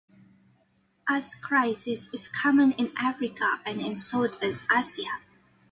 Ascariasis is common in Africa and in Southeast Asia.